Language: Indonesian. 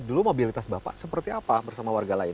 dulu mobilitas bapak seperti apa bersama warga lain